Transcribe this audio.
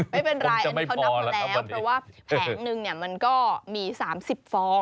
ไม่เป็นไรอันนี้เขานับมาแล้วเพราะว่าแผงนึงมันก็มี๓๐ฟอง